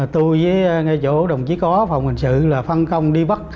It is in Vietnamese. tôi với chỗ đồng chí có phòng hành sự là phân công đi bắt